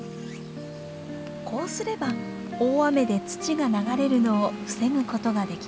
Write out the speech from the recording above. こうすれば大雨で土が流れるのを防ぐことができます。